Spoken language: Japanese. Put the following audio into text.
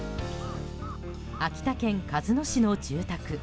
秋田県鹿角市の住宅。